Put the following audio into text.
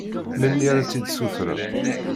Melmi ara tt-id-sutrem?